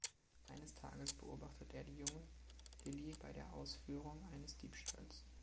Eines Tages beobachtet er die junge Lili bei der Ausführung eines Diebstahls.